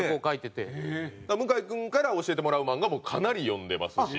向君から教えてもらう漫画もかなり読んでますし。